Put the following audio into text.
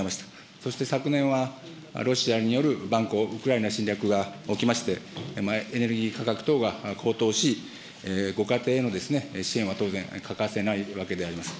そして昨年はロシアによる蛮行、ウクライナ侵略が起きまして、エネルギー価格等が高騰し、ご家庭への支援は当然欠かせないわけであります。